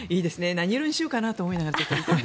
何色にしようかなと思いながら。